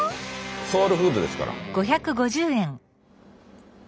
ソウルフードですから。